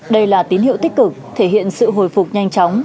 đây là tín hiệu tích cực thể hiện sự hồi phục nhanh chóng